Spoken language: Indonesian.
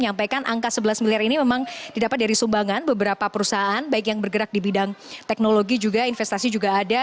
menyampaikan angka sebelas miliar ini memang didapat dari sumbangan beberapa perusahaan baik yang bergerak di bidang teknologi juga investasi juga ada